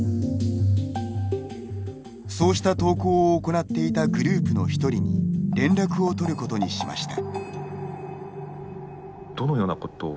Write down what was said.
そうした投稿を行っていたグループの一人に連絡を取ることにしました。